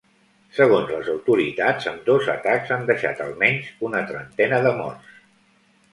Segons les autoritats, ambdós atacs han deixat almenys una trentena de morts.